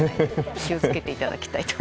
気を付けていただきたい。